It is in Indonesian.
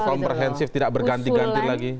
komprehensif tidak berganti ganti lagi